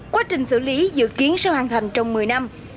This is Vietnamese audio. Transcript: quá trình xử lý dự kiến sẽ hoàn thành trong một mươi năm